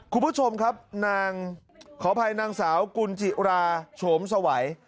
คุณผู้ชมครับนางขออภัยนางสาวกุญจิราโฉมสวัย